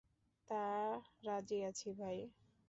তা, রাজি আছি ভাই।